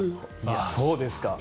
そうですか。